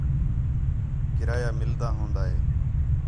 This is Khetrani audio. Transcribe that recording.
کرایہ مِلدا ہون٘دا ہِے